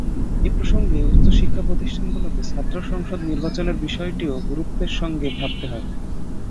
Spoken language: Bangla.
এ প্রসঙ্গে উচ্চশিক্ষাপ্রতিষ্ঠানগুলোতে ছাত্র সংসদ নির্বাচনের বিষয়টিও গুরুত্বের সঙ্গে ভাবতে হবে।